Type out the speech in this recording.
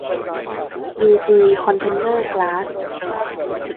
บีจี คอนเทนเนอร์ กล๊าส